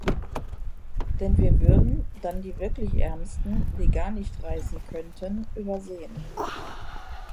Denn wir würden dann die wirklich Ärmsten, die gar nicht reisen könnten, übersehen.